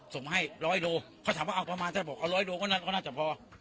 ส่งให้ร้อยโลเขาถามว่าเอาประมาณถ้าบอกเอาร้อยโลก็น่าจะพอ